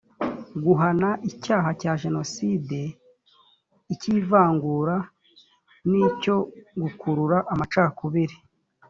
guhana icyaha cya jenoside icy’ivangura n’icyo gukurura amacakubiri